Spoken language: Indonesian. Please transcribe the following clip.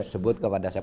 sebut kepada saya